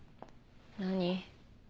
何？